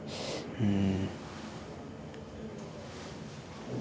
うん。